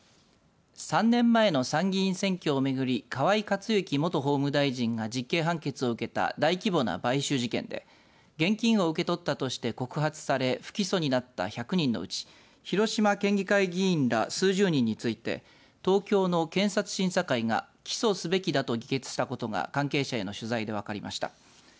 ３年前の参議院選挙をめぐり河井克行元法務大臣が実刑判決を受けた大規模な買収事件で現金を受け取ったとして告発され不起訴になった１００人のうち広島県議会議員ら数十人について東京の検察審査会が起訴すべきだと議決したことが関係者への取材で分かりました。